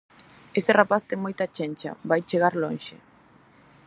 Ese rapaz ten moita chencha, vai chegar lonxe.